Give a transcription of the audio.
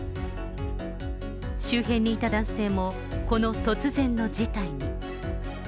周辺にいた男性も、この突然の事態に。